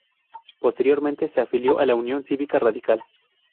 Posteriormente se afilió a la Unión Cívica Radical.